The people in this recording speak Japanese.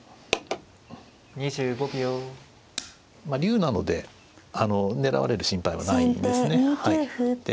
まあ竜なので狙われる心配はないですね。